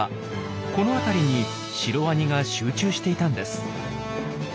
この辺りにシロワニが集中していたんです。